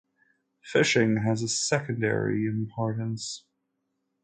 Fishing has a secondary importance.